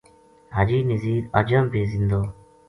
حاجی نزیر اجاں بے زندو